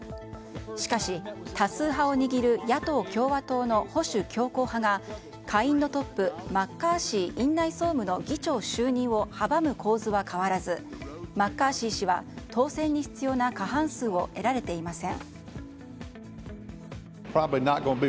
しかし、多数派を握る野党・共和党の保守強硬派が保守強硬派が下院のトップマッカーシー院内総務の議長就任を阻む構図は変わらずマッカーシー氏は当選に必要な過半数を得られていません。